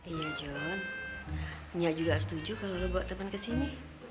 iya jon nya juga setuju kalau lo bawa temen ke sini